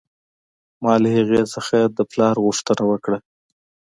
ما له هغې څخه د پلار پوښتنه وکړه